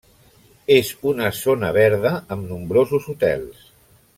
És una zona verda amb nombrosos hotels.